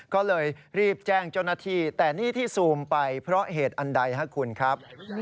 ก็เลยรีบแจ้งเจ้าหน้าที่แต่นี่ที่ซูมไปเพราะเหตุอันใดครับคุณครับ